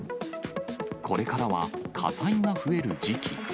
これからは、火災が増える時期。